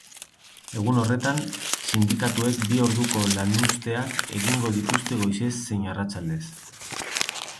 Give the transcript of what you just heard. Egun horretan, sindikatuek bi orduko lanuzteak egingo dituzte goizez zein arratsaldez.